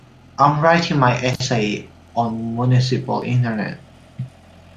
I'm writing my essay on municipal internet.